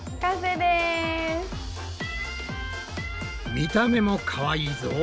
見た目もかわいいぞ。